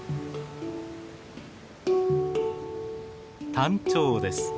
タンチョウです。